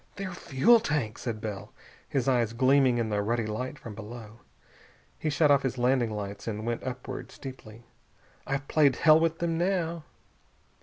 "Their fuel tank!" said Bell, his eyes gleaming in the ruddy light from below. He shut off his landing lights and went upward, steeply. "I've played hell with them now!"